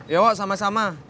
ya wak sama sama